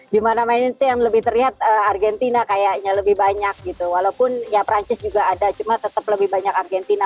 di mana mana itu yang lebih terlihat argentina kayaknya lebih banyak gitu walaupun ya perancis juga ada cuma tetap lebih banyak argentina